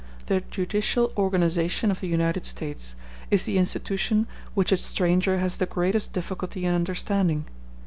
The judicial organization of the United States is the institution which a stranger has the greatest difficulty in understanding.